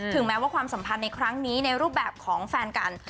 แม้ว่าความสัมพันธ์ในครั้งนี้ในรูปแบบของแฟนกัน